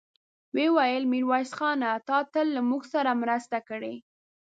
ويې ويل: ميرويس خانه! تا تل له موږ سره مرسته کړې.